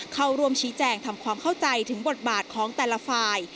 เข้าร่วมชี้แจงทำความเข้าใจถึงบทบาทของแต่ละฝ่าย